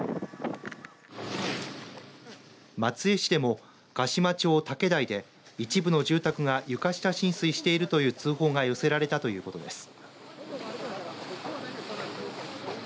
松江市でも鹿島町武代で一部の住宅が床下浸水しているという通報が寄せられたということです。